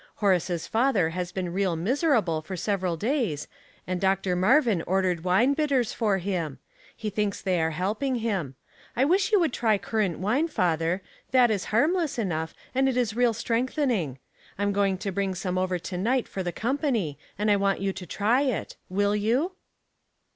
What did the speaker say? Horace's father has been real miserable for sev eral days, and Dr. Marvin ordered wine bitters for him. He thinks they are helping him. 1 wish you would try currant wine, father ; that is harmless enough, and it is real strengthering. I'm going to bring some over to night for the company, and I want you to try it. Will you